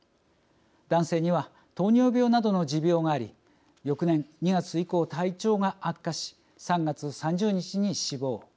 男性には糖尿病などの持病があり翌年２月以降体調が悪化し３月３０日に死亡。